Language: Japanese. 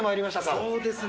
そうですね。